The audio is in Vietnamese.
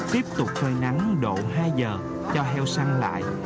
tiếp tục chơi nắng đổ hai giờ cho heo săn lại